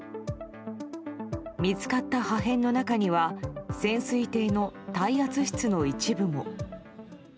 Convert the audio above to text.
見つかった破片の中には潜水艇の耐圧室の一部も。